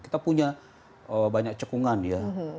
kita punya banyak cekungan ya